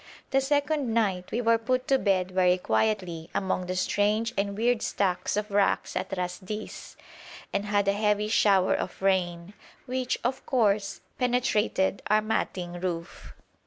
The second night we were put to bed very quietly among the strange and weird stacks of rocks at Ras Dis, and had a heavy shower of rain, which, of course, penetrated our matting roof.